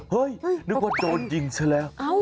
เฮ้ยนึกว่าโจรยิงซะแล้ว